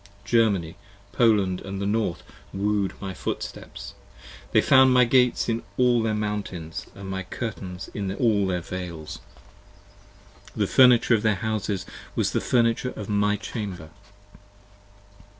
45 Germany, Poland & the North wooed my footsteps, they found My gates in all their mountains & my curtains in all their vales: 96 The furniture of their houses was the furniture of my chamber.